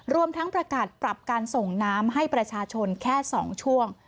รวมทั้งประกาศปรับการส่งน้ำให้ประชาชนแค่๒ช่วง